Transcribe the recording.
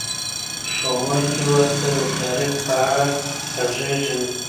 ښوونکی ورته د تاريخ په اړه غږېږي.